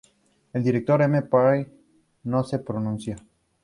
El director M. Pierre no se pronuncia.